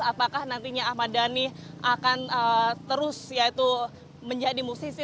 apakah nantinya ahmad dhani akan terus yaitu menjadi musisi